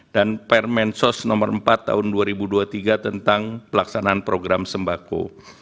dan permensos nomor empat tahun dua ribu dua puluh tiga tentang pelaksanaan program sembako